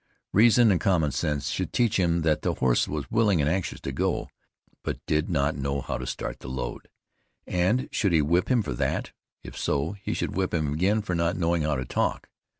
Reason and common sense should teach him that the horse was willing and anxious to go, but did not know how to start the load. And should he whip him for that? If so, he should whip him again for not knowing how to talk.